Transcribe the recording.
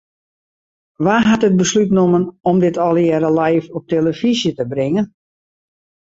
Wa hat it beslút nommen om dit allegearre live op 'e telefyzje te bringen?